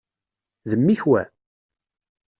D mmik wa?